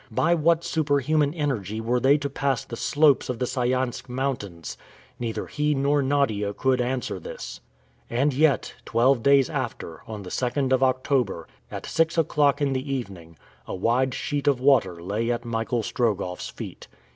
By what superhuman energy were they to pass the slopes of the Sayansk Mountains? Neither he nor Nadia could answer this! And yet, twelve days after, on the 2d of October, at six o'clock in the evening, a wide sheet of water lay at Michael Strogoff's feet.